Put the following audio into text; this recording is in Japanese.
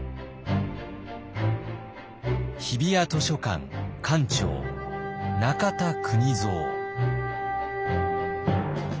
日比谷図書館館長中田邦造。